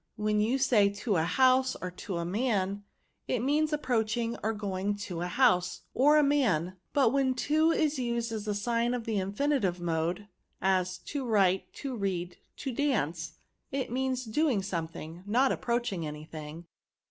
When you say to a 230 VERBS. house, or to a man, it means approaeKing or going to a house, or a man; but when to is used as the sign of the infinitive mode, as * to write ^ to read, to dance/ it means doing something, not approaching any thing.